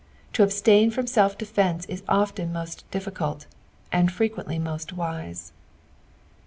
To absUin from self defence is often most difficult, nnd frequcntlv most wise.